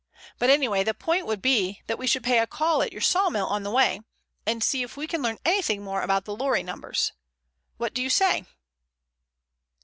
But anyway the point would be that we should pay a call at your sawmill on the way, and see if we can learn anything more about the lorry numbers. What do you say?"